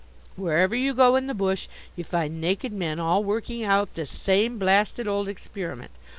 Wherever you go in the bush you find naked men all working out this same blasted old experiment.